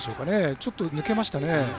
ちょっと抜けましたね。